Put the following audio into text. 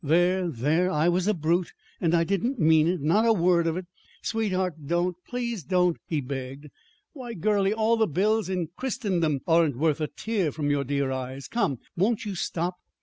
"There, there, I was a brute, and I didn't mean it not a word of it. Sweetheart, don't, please don't," he begged. "Why, girlie, all the bills in Christendom aren't worth a tear from your dear eyes. Come, won't you stop?"